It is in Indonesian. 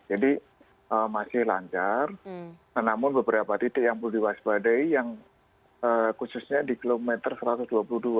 jadi masih lancar namun beberapa titik yang perlu diwaspadai yang khususnya di kilometer rp satu ratus dua puluh dua